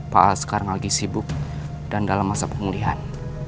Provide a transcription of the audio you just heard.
pak askar lagi sibuk dan dalam masa pengulihan